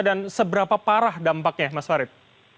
dan seberapa parah dampaknya mas farid